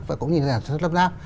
và cũng như nhà sản xuất lấp láp